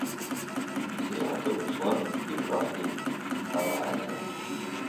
Сятэ ыцӏэр Ибрахьим, ар ӏазэ.